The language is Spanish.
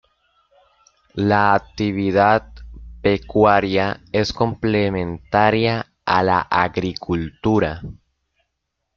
La actividad pecuaria es complementaria a la agricultura.